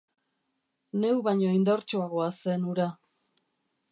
Neu baino indartsuagoa zen hura.